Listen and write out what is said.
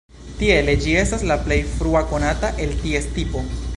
Tiele ĝi estas la plej frua konata el ties tipo.